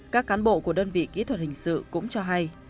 các cán bộ của đơn vị kỹ thuật hình sự cũng cho hay